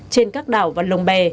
trên các đảo và lồng bè